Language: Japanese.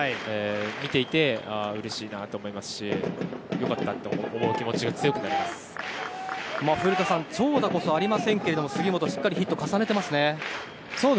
見ていてうれしいなと思いますし良かったって思う気持ちが古田さん、長打こそありませんけども杉本、しっかりヒットを重ねていますね。